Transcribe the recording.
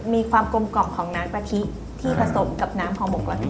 มีความกลมกล่อมของน้ำกะทิที่ผสมกับน้ำห่อหมกกะทิ